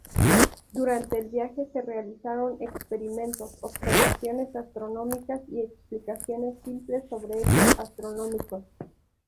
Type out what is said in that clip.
Durante el viaje se realizaron experimentos, observaciones astronómicas y explicaciones simples sobre hechos astronómicos.